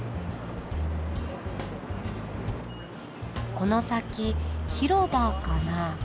この先広場かな。